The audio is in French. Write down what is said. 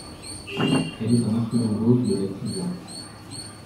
Elle est un affluent gauche de la Tisza.